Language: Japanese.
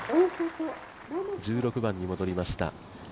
１６番に戻りました